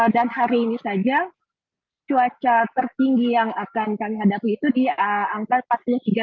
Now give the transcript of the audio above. dan hari ini saja cuaca tertinggi yang akan kami hadapi itu di angka